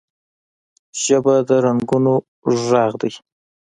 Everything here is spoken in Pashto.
ژبه د رنګونو غږ ده